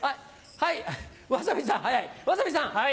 はいわさびさん早いわさびさん。